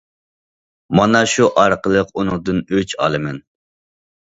مانا شۇ ئارقىلىق ئۇنىڭدىن ئۆچ ئالىمەن.